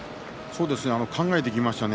考えていきましたね。